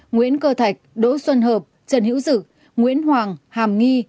nguyễn cơ thạch đỗ xuân hợp trần hữu dự nguyễn hoàng hàm nghi